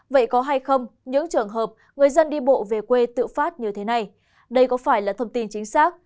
vậy có hay không những trường hợp người dân đi bộ về quê tự phát như thế này đây có phải là thông tin chính xác